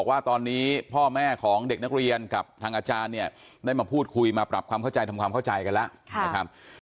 ว่าตอนนี้พ่อแม่ของเด็กนักเรียนกับทางอาจารย์เนี่ยได้มาพูดคุยมาปรับความเข้าใจทำความเข้าใจกันแล้วนะครับ